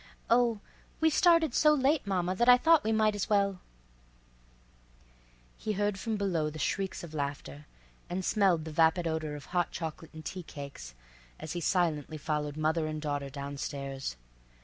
"Oh, we started so late, mama, that I thought we might as well—" He heard from below the shrieks of laughter, and smelled the vapid odor of hot chocolate and tea cakes as he silently followed mother and daughter down stairs.